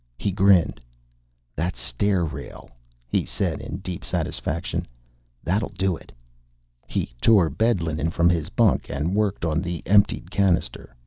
He grinned. "That stair rail," he said in deep satisfaction. "That'll do it!" He tore bed linen from his bunk and worked on the emptied cannister.